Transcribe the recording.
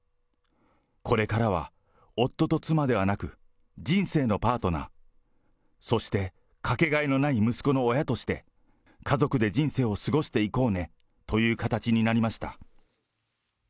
これからは夫と妻ではなく、人生のパートナー、そしてかけがえのない息子の親として、家族で人生を過ごしていこうねという形になりました。